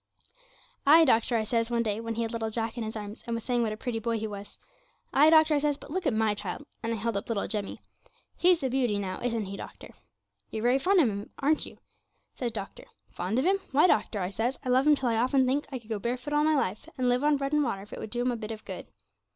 '"Ay, doctor," I says one day, when he had little Jack in his arms, and was saying what a pretty boy he was "Ay, doctor," I says, "but look at my child," and I held up little Jemmy. "He's the beauty now, isn't he, doctor?" '"You're very fond of that boy, aren't you?" says doctor. '"Fond of him! Why, doctor," I says, "I love him till I often think I could go bare foot all my life and live on bread and water if it would do him a bit of good."